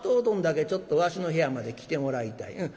どんだけちょっとわしの部屋まで来てもらいたい。